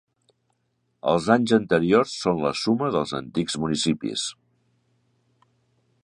Els anys anteriors són la suma dels antics municipis.